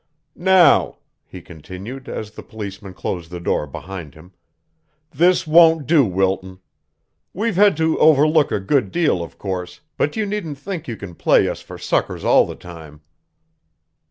"Now," he continued, as the policeman closed the door behind him, "this won't do, Wilton. We've had to overlook a good deal, of course, but you needn't think you can play us for suckers all the time."